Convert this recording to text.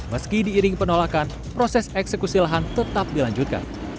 meski diiring penolakan proses eksekusi lahan tetap dilanjutkan